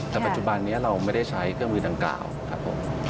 แต่ปัจจุบันนี้เราไม่ได้ใช้เครื่องมือดังกล่าวครับผม